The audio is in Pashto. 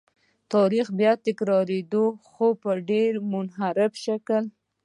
تاریخ بیا تکرارېده خو په ډېر منحرف شکل.